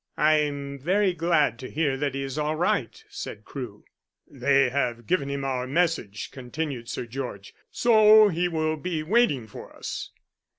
"I am very glad to hear that he is all right," said Crewe. "They have given him our message," continued Sir George, "so he will be waiting for us."